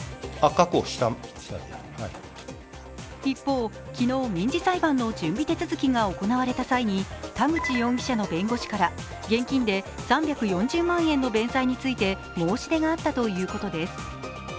一方、昨日民事裁判の準備手続きが行われた際に田口容疑者の弁護士から現金で３４０万円の弁済について申し出があったということです。